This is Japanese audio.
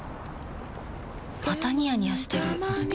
またニヤニヤしてるふふ。